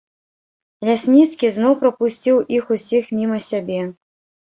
Лясніцкі зноў прапусціў іх усіх міма сябе.